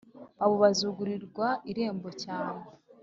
abo bazugururirwa irembo cyane